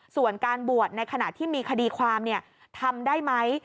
ส่วนการบวชในขณะที่มีคดีความทำได้ไหม